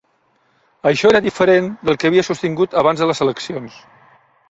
Això era diferent del que havia sostingut abans de les eleccions.